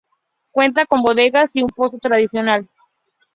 Cuenta con bodegas y un pozo tradicional.